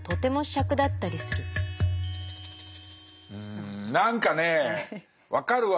ん何かねえ分かるわ！